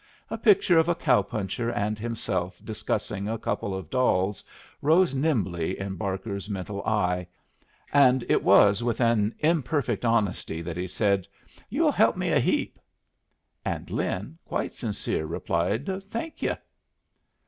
A picture of a cow puncher and himself discussing a couple of dolls rose nimbly in Barker's mental eye, and it was with an imperfect honesty that he said, "You'll help me a heap." And Lin, quite sincere, replied, "Thank yu'."